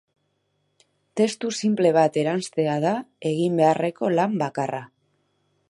Testu sinple bat eranstea da egin beharreko lan bakarra.